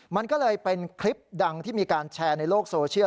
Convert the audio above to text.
มันก็เลยเป็นคลิปดังที่มีการแชร์ในโลกโซเชียล